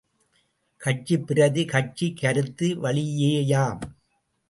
கட்சி பிரதி கட்சி கருத்து வழியேயாம்!